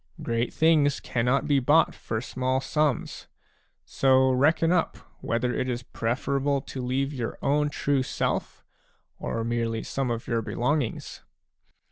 Great things cannot be bought for small sums ; so reckon up whether it is preferable to leave your own true self, or merely some of your belongings.